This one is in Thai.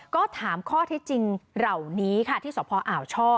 ก็ถามข้อเท็จจริงเหล่านี้ค่ะที่สพอ่าวช่อ